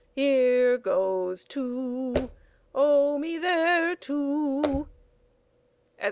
Here goes two. Owe me there two, &c.